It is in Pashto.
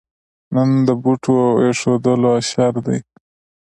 نن د بوټو اېښودلو اشر دی.